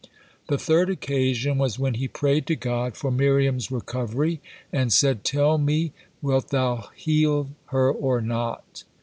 The third occasion was when he prayed to God for Miriam's recovery, and said, "Tell me, wilt Thou heal her or not?"